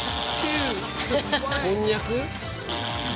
こんにゃく？